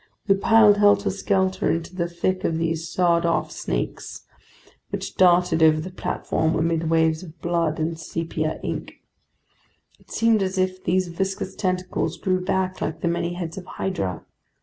We piled helter skelter into the thick of these sawed off snakes, which darted over the platform amid waves of blood and sepia ink. It seemed as if these viscous tentacles grew back like the many heads of Hydra.